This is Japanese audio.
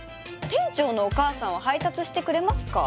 店長のお母さんは配達してくれますか？